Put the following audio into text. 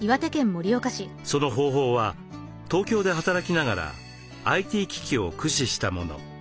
その方法は東京で働きながらＩＴ機器を駆使したもの。